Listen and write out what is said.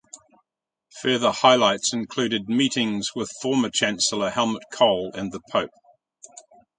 Further highlights included meetings with former Chancellor Helmut Kohl and the pope.